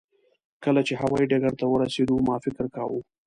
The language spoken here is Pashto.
کله چې هوایي ډګر ته ورسېدو ما فکر کاوه.